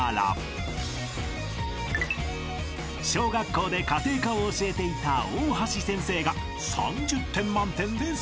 ［小学校で家庭科を教えていた大橋先生が］